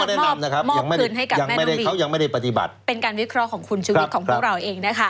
อันนี้เป็นข้อแนะนำนะครับยังไม่ได้มอบคืนให้กับแม่น้องบีเป็นการวิเคราะห์ของคุณชุวิตของพวกเราเองนะคะ